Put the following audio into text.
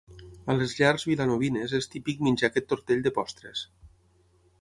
A les llars vilanovines és típic menjar aquest tortell de postres.